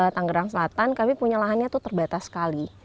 tangerang selatan kami punya lahannya terbatas sekali